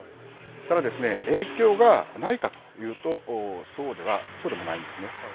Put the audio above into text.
ただ、影響がないかというとそうでもないんですね。